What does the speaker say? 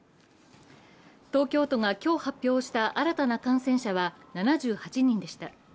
東京都が今日発表した新たな感染者は７８人でした。